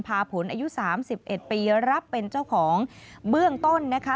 พาผลอายุ๓๑ปีรับเป็นเจ้าของเบื้องต้นนะคะ